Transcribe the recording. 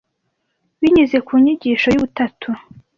binyuze ku nyigisho y’Ubutatu